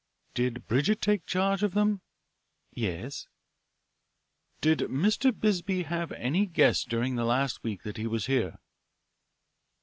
"Did Bridget take charge of them?" "Yes." "Did Mr. Bisbee have any guests during the last week that he was here?"